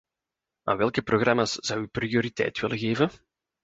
Aan welke programma's zou u prioriteit willen geven?